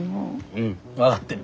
うん分かってる。